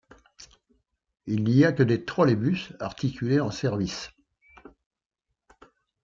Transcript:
Il n'y a que des trolleybus articulés en service.